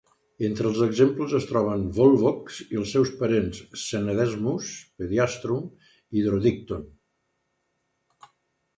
Entre els exemples es troben "Volvox" i els seus parents, "Scenedesmus", "Pediastrum" i "Hydrodictyon".